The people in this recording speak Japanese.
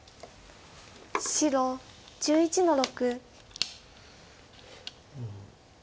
白１１の六。